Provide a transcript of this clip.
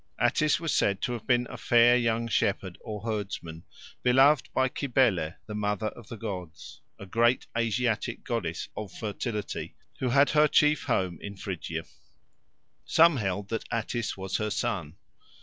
Attis was said to have been a fair young shepherd or herdsman beloved by Cybele, the Mother of the Gods, a great Asiatic goddess of fertility, who had her chief home in Phrygia. Some held that Attis was her son.